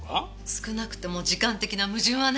少なくとも時間的な矛盾はない。